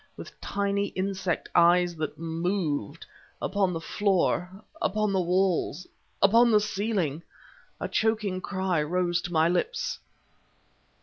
with tiny insect eyes that moved; upon the floor, upon the walls, upon the ceiling! A choking cry rose to my lips.